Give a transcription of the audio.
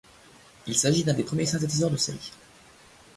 Il s'agit d'un des premiers synthétiseurs de série.